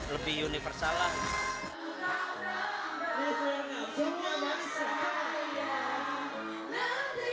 lebih universal lah